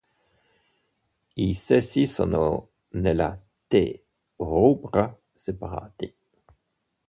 I sessi sono, nella "T. rubra", separati.